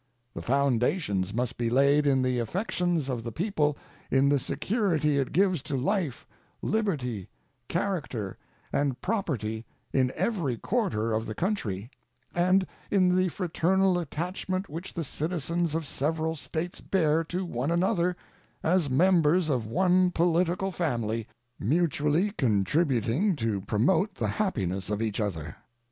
The foundations must be laid in the affections of the people, in the security it gives to life, liberty, character, and property in every quarter of the country, and in the fraternal attachment which the citizens of the several States bear to one another as members of one political family, mutually contributing to promote the happiness of each other.